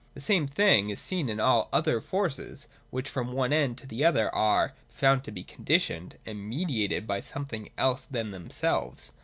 The same thing is seen in all other forces, which from one end to the other are found to be conditioned and mediated by some thing else than themselves.